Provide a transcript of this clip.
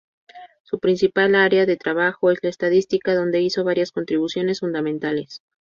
Su principal área de trabajo es la Estadística donde hizo varias contribuciones fundamentales.